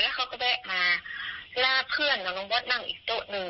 แล้วเขาก็แบะมาแล้วเพื่อนกับน้องบอสนั่งอีกโต๊ะนะครับ